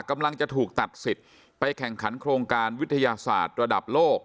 กำลังจะถูกตัดสิทธิ์ไปแข่งขันโครงการวิทยาศาสตร์ระดับโลก